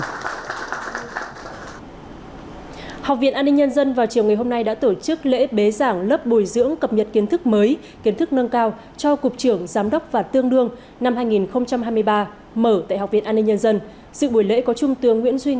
học viện an ninh nhân dân vào chiều ngày hôm nay đã tổ chức lễ bế giảng lớp bồi dưỡng cập nhật kiến thức mới kiến thức nâng cao cho cục trưởng giám đốc và tương đương năm hai nghìn hai mươi ba mở tại học viện an ninh nhân dân